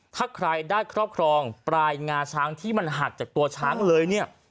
ถ้าใครได้ครอบครองปลายงาช้างที่มันหักจากตัวช้างเลยเนี่ย